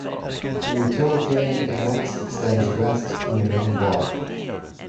A utilitarian annex extends west from the main block.